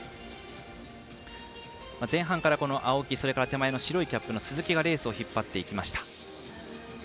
前半から青木、白いキャップの鈴木がレースを引っ張っていきました。